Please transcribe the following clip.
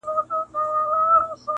تر مرګه مي په برخه دي کلونه د هجران!.